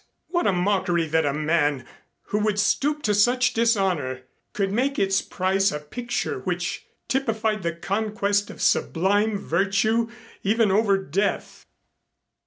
What a mockery that a man who would stoop to such dishonor could make its price a picture which typified the conquest of sublime virtue even over death!